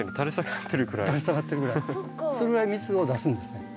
それぐらい蜜を出すんですね。